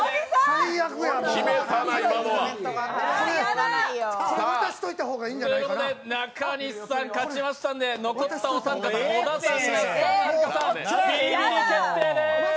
決めたな、今のは。ということで中西さん勝ちましたんで残ったお三方、小田さん、那須さんはるかさん、ビリビリ決定です。